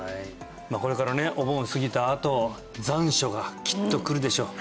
これからねお盆過ぎたあと残暑がきっと来るでしょう